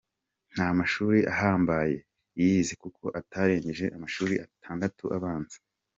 Nta mashuri ahambaye yize kuko atarengeje amashuri atandatu abanza.